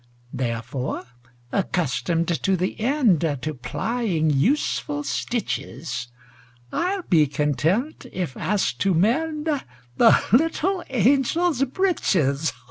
Therefore, accustomed to the endTo plying useful stitches,I 'll be content if asked to mendThe little angels' breeches.